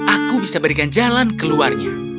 aku bisa berikan jalan keluarnya